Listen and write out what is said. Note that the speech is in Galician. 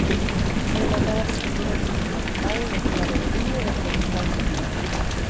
Remataba así unha primeira metade de claro dominio do Coristanco.